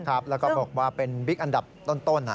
ครับแล้วก็บอกว่าเป็นบิ๊กอันดับต้นนะฮะ